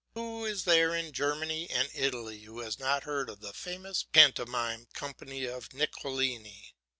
Who is there in Germany and Italy who has not heard of the famous pantomime company of Nicolini?